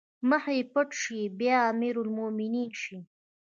مخ يې پټ شي بيا امرالمومنين شي